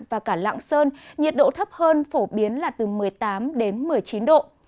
và cả lạng sơn nhiệt độ thấp hơn phổ biến là từ một mươi tám đến một mươi chín độ